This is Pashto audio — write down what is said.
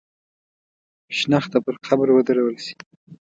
شنخته پر قبر ودرول شي.